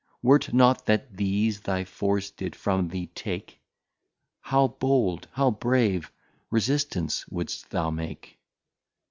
Were't not that these thy Force did from thee take, How bold, how brave Resistance would'st thou make?